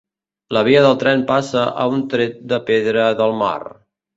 La via del tren passa a un tret de pedra del mar